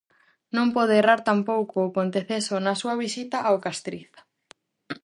Non pode errar tampouco o Ponteceso na súa visita ao Castriz.